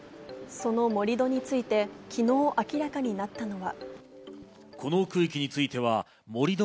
その盛り土について、昨日明らかになったのは。